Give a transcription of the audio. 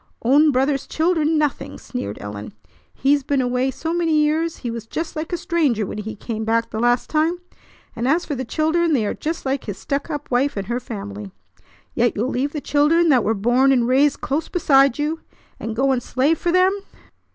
"Own brother's children, nothing!" sneered Ellen. "He's been away so many years he was just like a stranger when he came back the last time, and as for the children they are just like his stuck up wife and her family. Yet you'll leave the children that were born and raised close beside you, and go and slave for them.